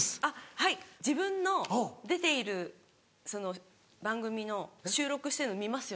はい自分の出ている番組の収録してるの見ますよね？